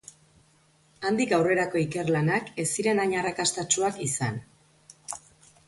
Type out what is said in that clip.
Handik aurrerako ikerlanak ez ziren hain arrakastatsuak izan.